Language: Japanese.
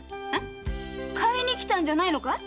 買いにきたんじゃないのかい？